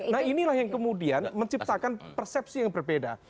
nah inilah yang kemudian menciptakan persepsi yang berbeda